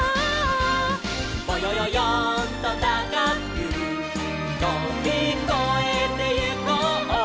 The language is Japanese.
「ぼよよよんとたかくとびこえてゆこう」